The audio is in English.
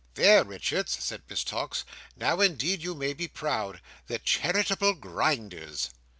"There, Richards!" said Miss Tox. "Now, indeed, you may be proud. The Charitable Grinders!"